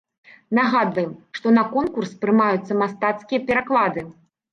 Нагадваем, што на конкурс прымаюцца мастацкія пераклады.